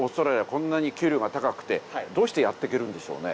こんなに給料が高くてどうしてやっていけるんでしょうね？